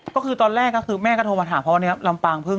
ก็คือตอนแรกก็คือแม่ก็โทรมาถามเพราะวันนี้ลำปางเพิ่ง